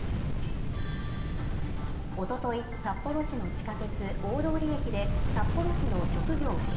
おととい、札幌市の地下鉄大通り駅で、札幌市の職業不詳